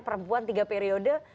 perempuan tiga periode